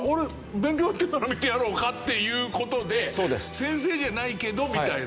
勉強やってるなら見てやろうか？」っていう事で先生じゃないけどみたいな。